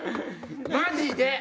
マジで！